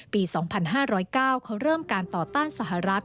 ๒๕๐๙เขาเริ่มการต่อต้านสหรัฐ